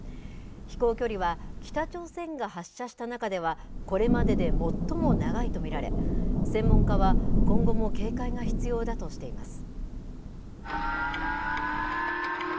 飛行距離は北朝鮮が発射した中ではこれまでで最も長いと見られ、専門家は、今後も警戒が必要だとしています。